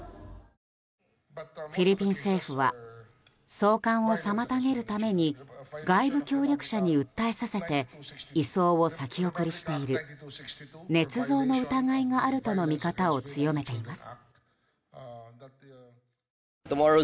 フィリピン政府は送還を妨げるために外部協力者に訴えさせて移送を先送りしているねつ造の疑いがあるとの見方を強めています。